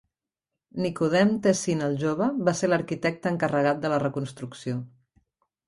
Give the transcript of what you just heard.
Nicodem Tessin el Jove va ser l'arquitecte encarregat de la reconstrucció.